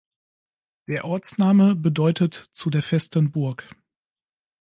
Der Ortsname bedeutet "zu der festen Burg".